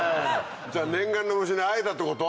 じゃあ念願の虫に会えたってこと？